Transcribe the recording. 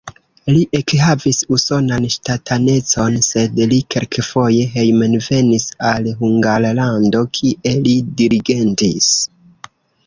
Li ekhavis usonan ŝtatanecon, sed li kelkfoje hejmenvenis al Hungarlando, kie li dirigentis.